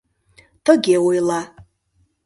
Тыге ойла: